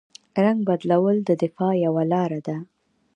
رنګ بدلول د دفاع یوه لاره ده